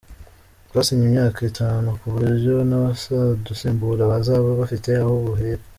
Twasinye imyaka itanu ku buryo n’abazadusimbura bazaba bafite aho bahera.